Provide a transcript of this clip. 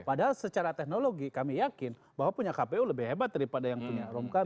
padahal secara teknologi kami yakin bahwa punya kpu lebih hebat daripada yang punya rom kpu